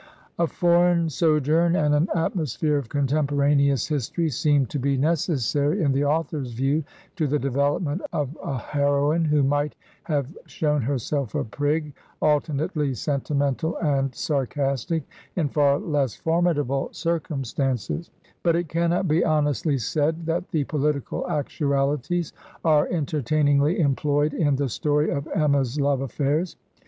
A foreign sojourn and an atmosphere of contemporaneous history seem to be nec essary, in the author's view, to the development of a her oine who might have shown herself a prig, alternately sentimental and sarcastic, in far less formidable cir cumstances; but it cannot be honestly said that the political actualities are entertainingly employed in the story of Emma's love affairs.